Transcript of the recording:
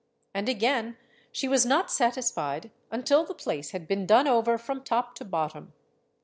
And again she was not satisfied until the place had been done over from top to bottom.